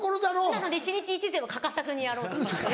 なので一日一善は欠かさずにやろうと思って。